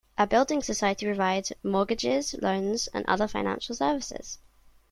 A building society provides mortgages, loans and other financial services